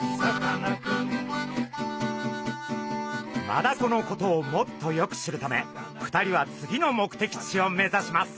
マダコのことをもっとよく知るため２人は次の目的地を目指します！